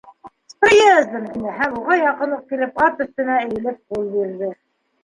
С приездом! — тине һәм уға яҡын уҡ килеп, ат өҫтөнә эйелеп ҡул бирҙе.